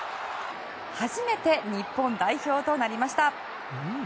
初めて日本代表となりました。